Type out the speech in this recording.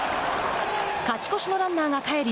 勝ち越しのランナーが帰り